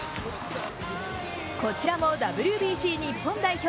こちらもＷＢＣ日本代表